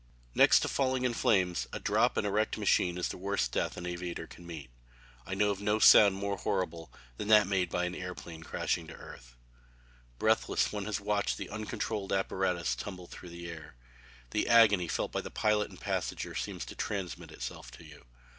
Next to falling in flames a drop in a wrecked machine is the worst death an aviator can meet. I know of no sound more horrible than that made by an airplane crashing to earth. Breathless one has watched the uncontrolled apparatus tumble through the air. The agony felt by the pilot and passenger seems to transmit itself to you.